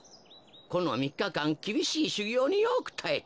このみっかかんきびしいしゅぎょうによくたえた。